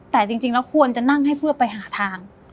แต่จริงแล้วควรจะนั่งให้เพื่อไปหาทาง